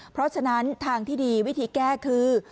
เพราะฉะนั้นทางที่ดีวิธีแก้คือ